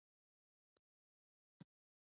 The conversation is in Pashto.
ګل د طبیعت سندره ده.